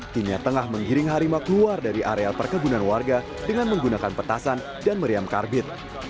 timnya tengah menggiring harimau keluar dari area perkebunan warga dengan menggunakan petasan dan meriam karbit